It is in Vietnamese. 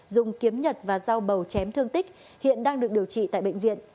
dùng kiếm nhật và rau màu chém thương tích hiện đang được điều trị tại bệnh viện